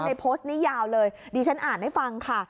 โพสต์นี้ยาวเลยดิฉันอ่านให้ฟังค่ะ